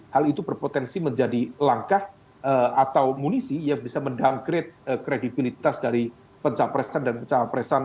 hal itu berpotensi menjadi langkah atau munisi yang bisa mendowngrade kredibilitas dari pencapresan dan pencapresan